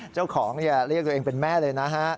เจ้าของเรียกตัวเองเป็นแม่เลยนะฮะ